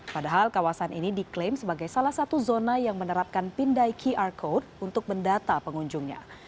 padahal kawasan ini diklaim sebagai salah satu zona yang menerapkan pindai qr code untuk mendata pengunjungnya